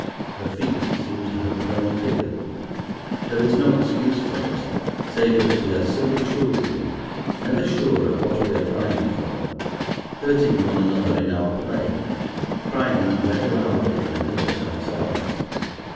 Her feet seem to have grown bigger. There is no excuse for us, save that we are silly children, never sure of what we are crying for, hurting one another in our play, crying very loudly when hurt ourselves.